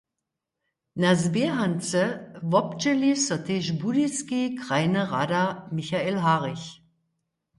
Na zběhance wobdźěli so tež Budyski krajny rada Michael Harig.